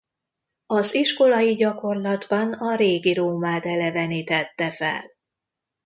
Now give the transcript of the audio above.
Az iskolai gyakorlatban a régi Rómát elevenítette fel.